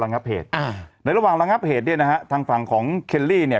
งับเหตุอ่าในระหว่างระงับเหตุเนี่ยนะฮะทางฝั่งของเคลลี่เนี่ย